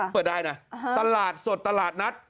เปิดได้นะตลาดสดตลาดนัด